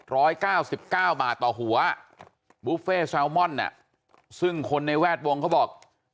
ร้อยเก้าสิบเก้าบาทต่อหัวบุฟเฟ่แซลมอนอ่ะซึ่งคนในแวดวงเขาบอก